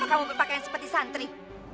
kamu berpakaian seperti santri